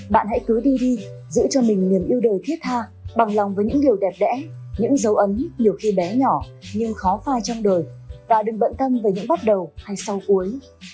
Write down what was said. bạn hãy cứ đi đi giữ cho mình niềm yêu đời thiết tha bằng lòng với những điều đẹp đẽ những dấu ấn nhiều khi bé nhỏ nhưng khó phai trong đời và đừng bận tâm về những bắt đầu hay sau cuối